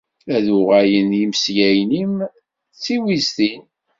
Ad uɣalen yimeslayen-im d tiwiztin.